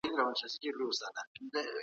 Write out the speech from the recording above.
جوړه کړه، چي حتی ځیني اروپايي هيوادونه یې تر